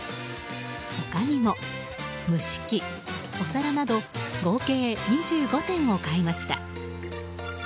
他にも蒸し器、お皿など合計２５点を買いました。